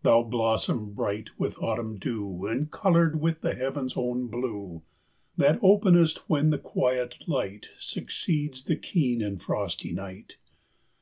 Thou blossom bright with autumn dew, And coloured with the heaven's own blue, That openest when the quiet light Succeeds the keen and frosty night.